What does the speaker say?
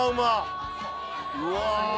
うわ！